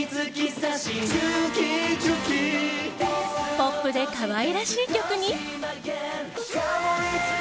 ポップで可愛らしい曲に。